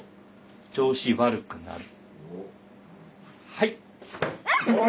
はい。